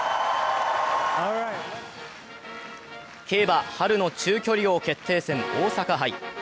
競馬・春の中距離王位決定戦、大阪杯。